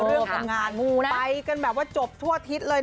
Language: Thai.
เรื่องปังงานงูนะไปกันแบบว่าจบทั่วทิศเลย